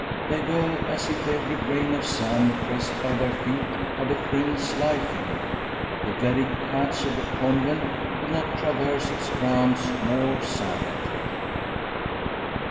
They go as if every grain of sand pressed by their feet had a friend's life in it. The very cats of the Convent could not traverse its grounds more silently.